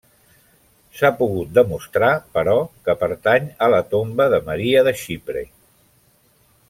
S'ha pogut demostrar, però, que pertany a la tomba de Maria de Xipre.